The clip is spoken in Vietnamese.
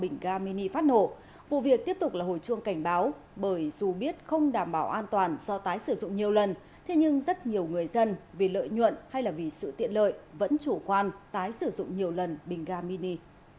bình ga mini phát nổ vụ việc tiếp tục là hồi chuông cảnh báo bởi dù biết không đảm bảo an toàn do tái sử dụng nhiều lần thế nhưng rất nhiều người dân vì lợi nhuận hay là vì sự tiện lợi vẫn chủ quan tái sử dụng nhiều lần bình ga mini